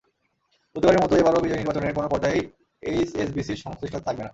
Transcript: প্রতিবারের মতো এবারও বিজয়ী নির্বাচনের কোনো পর্যায়েই এইচএসবিসির সংশ্লিষ্টতা থাকবে না।